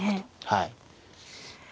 はい。